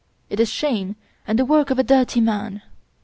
It is shame, and the work of a dirty man